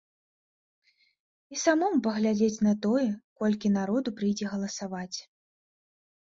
І самому паглядзець на тое, колькі народу прыйдзе галасаваць.